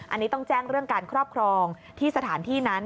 อันนี้ต้องแจ้งเรื่องการครอบครองที่สถานที่นั้น